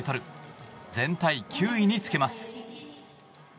全体９位につけます。